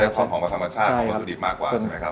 ส่วนของประธรรมชาติสุดิบมากกว่าใช่ไหมครับ